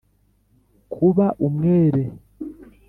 kuba umwere.